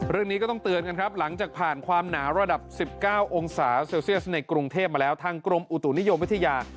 เรื่องนี้ก็ต้องเตือนกันครับหลังจากผ่านความหนาวระดับ๑๙องศาเซลเซียสในกรุงเทพมาแล้วทางกรมอุตุนิยมวิทยา